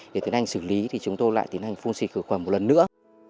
để tiến hành xử lý thì chúng tôi lại tiến hành phun xịt khử quẩn một lần nữa